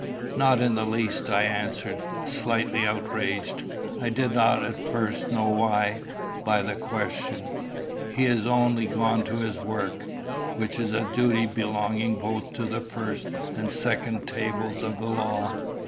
"Not in the least," I answered, slightly outraged I did not at first know why by the question. "He is only gone to his work, which is a duty belonging both to the first and second tables of the law."